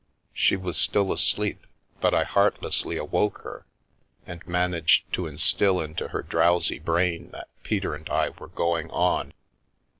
She was still asleep, but I heartlessly awoke her, and managed to instil into her drowsy brain that Peter and I were going on.